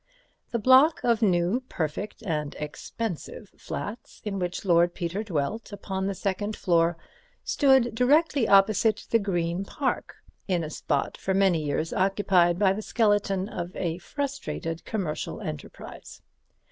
The block of new, perfect and expensive flats in which Lord Peter dwelt upon the second floor, stood directly opposite the Green Park, in a spot for many years occupied by the skeleton of a frustrate commercial enterprise.